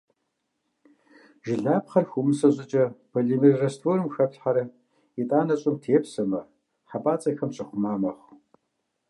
Жылапхъэр хыумысэ щIыкIэ, полимер растворым хэплъхьэрэ, итIанэ щIым тепсэмэ, хьэпIацIэхэм щыхъума мэхъу.